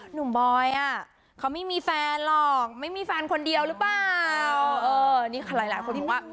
หนุ่มบอยอะเขาไม่มีแฟนหรอกไม่มีแฟนคนเดียวหรือเปล่า